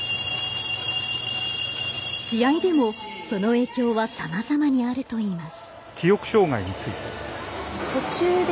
試合でも、その影響はさまざまにあるといいます。